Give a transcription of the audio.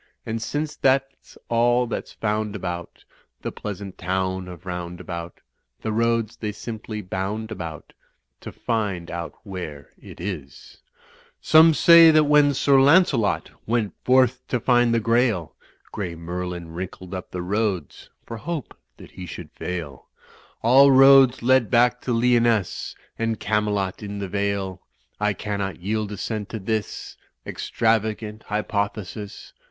And since that's all that's found about The pleasant town of Roundabout, The roads they simply botmd about To find out where it is. nr^r^n]^ Digitized by V^OOQ IC 270 THE FLYING INN "Some say that when Sir Lancelot Went forth to find the Grail, Grey Merlin wrinkled up the roads For hope that he should fail; All roads led back to Lyonesse And Camelot in the Vale ; I cannot yield assent to this Extravagant hypothesis.